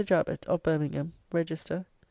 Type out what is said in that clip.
JABET, of Birmingham, Register, v.